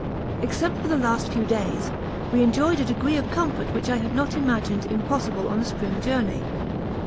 Except for the last few days, we enjoyed a degree of comfort which I had not imagined impossible on a spring journey.